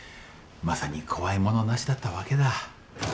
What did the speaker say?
まさに怖いものなしだったわけだ。